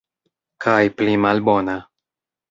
Kaj pli malbona.